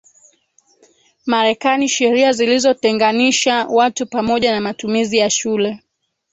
Marekani Sheria zilizotenganisha watu pamoja na matumizi ya shule